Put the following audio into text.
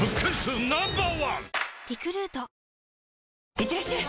いってらっしゃい！